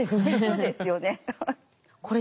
そうですよね。